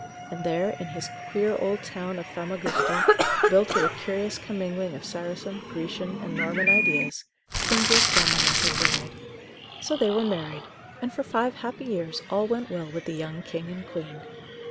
And there, in his queer old town of Famagusta, built with a curious commingling of Saracen, Grecian, and Norman ideas, King Giacomo met his bride. So they were married, and for five happy years all went well with the young King and Queen.